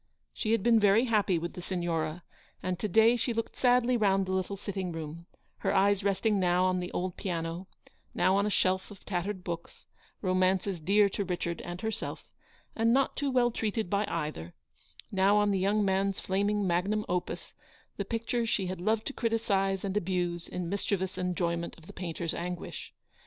She had been very happy with the Signora; and to day she looked sadly round the little sitting room, her eyes resting now on the old piano, now on a shelf of tattered books, romances dear to Richard and herself, and not too well treated by either ; now on the young man's naming magnum opus, the picture she had loved to criticise and abuse in mischievous enjoyment of the painter's anguish.